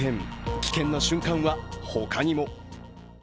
危険な瞬間は他にも。